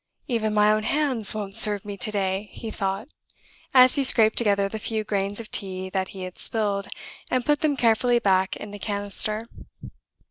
"Even my own hands won't serve me to day!" he thought, as he scraped together the few grains of tea that he had spilled, and put them carefully back in the canister.